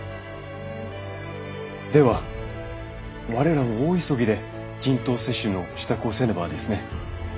では我らも大急ぎで人痘接種の支度をせねばですね。